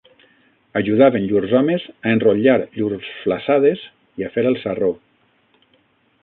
Ajudaven llurs homes a enrotllar llurs flassades i a fer el sarró.